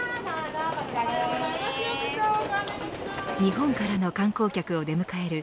日本からの観光客を出迎える